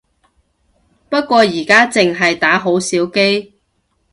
不過而家淨係打好少機